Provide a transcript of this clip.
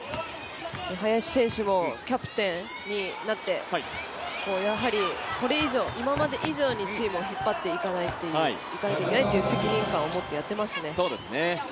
林選手もキャプテンになって、これ以上今まで以上にチームを引っ張っていかなきゃいけないという責任感を持ってやっていますね。